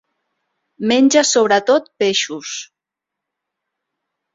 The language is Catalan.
Menja sobretot peixos.